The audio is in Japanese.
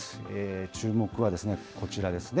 注目はこちらですね。